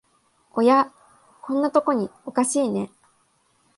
おや、こんなとこにおかしいね